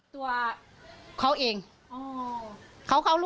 ตัวเขาเอง